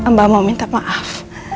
mbak mau minta maaf